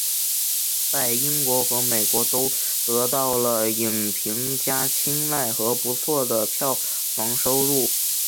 在英国和美国都得到了影评家青睐和不错的票房收入。